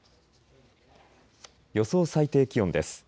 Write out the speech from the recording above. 予想最低気温です。